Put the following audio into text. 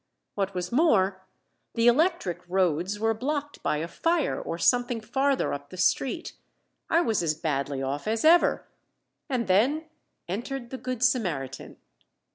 What was more, the electric roads were blocked by a fire or something farther up the street. I was as badly off as ever and then entered the Good Samaritan!